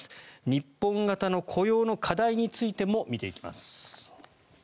日本型の雇用の課題についても見ていきます。